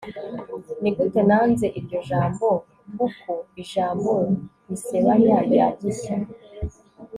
nigute nanze iryo jambo, puku - ijambo risebanya rya 'gishya